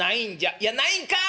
「いやないんかい！」。